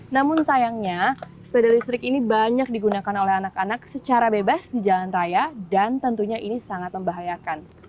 namun sayangnya sepeda listrik ini banyak digunakan oleh anak anak secara bebas di jalan raya dan tentunya ini sangat membahayakan